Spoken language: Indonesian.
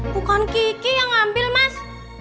bukan kiki yang ngambil mas